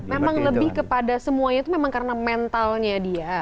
memang lebih kepada semuanya itu memang karena mentalnya dia